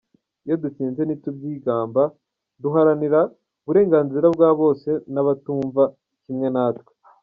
Iyo dutsinze ntitubyigamba, duharanira uburenganzira bwa bose n’abatumva kimwe natwe.